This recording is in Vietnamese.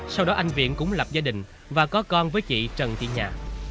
sau đó anh viện cũng lập gia đình và có con với chị trần thiên nhà